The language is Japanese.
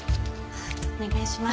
お願いします。